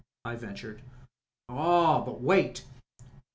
I ventured. "Ah, but wait.